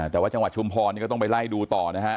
แต่ว่าจังหวัดชุมพรนี่ก็ต้องไปไล่ดูต่อนะฮะ